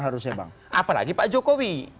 harusnya bang apalagi pak jokowi